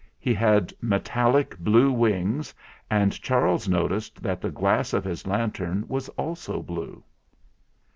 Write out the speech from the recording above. He had metallic blue wings, and Charles noticed that the glass of his lantern was also blue.